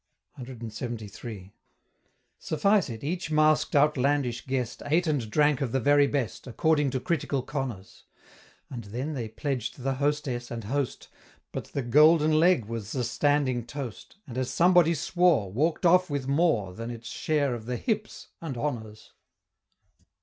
CLXXIII. Suffice it each mask'd outlandish guest Ate and drank of the very best, According to critical conners And then they pledged the Hostess and Host, But the Golden Leg was the standing toast, And as somebody swore, Walk'd off with more Than its share of the "Hips!" and honors!